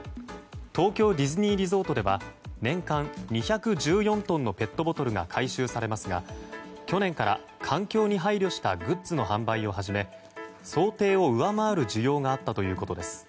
東京ディズニーリゾートでは年間２１４トンのペットボトルが回収されますが去年から環境に配慮したグッズの販売を始め想定を上回る需要があったということです。